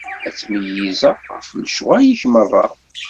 Ad ttmeyyizeɣ ɣef lecɣwal-ik merra.